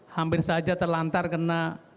hampir saja terlantar karena